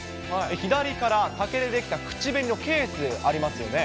左から竹で出来た口紅のケース、ありますよね。